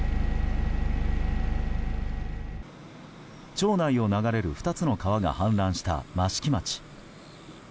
町内を流れる２つの川が氾濫した益城町。